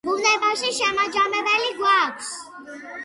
ბუნებაში შემაჯამებელი გვაქვს